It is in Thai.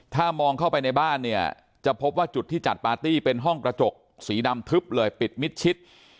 ถ้ามองเข้าไปในบ้านเนี่ยจะพบว่าจุดที่จัดปาร์ตี้เป็นห้องกระจกสีดำทึบเลยปิดมิดชิด